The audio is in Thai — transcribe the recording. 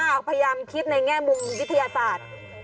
เราพยายามคิดในแง่มุมวิทยาศาสตร์